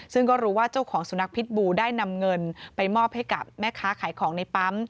ซึ่งก็รู้ว่าเจ้าของสุนัขพิษบูได้นำเงินไปมอบให้กับแม่ค้าขายของในปั๊ม